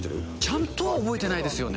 ちゃんとは覚えてないですよね。